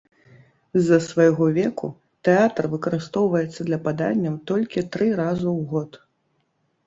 З-за свайго веку, тэатр выкарыстоўваецца для паданняў толькі тры разу ў год.